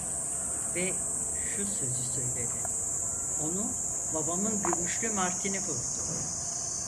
Ve şu sözü söyledi: "Onu babamın gümüşlü martini vurdu!"